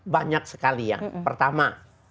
banyak sekali ya pertama